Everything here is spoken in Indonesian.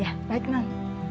ya baik non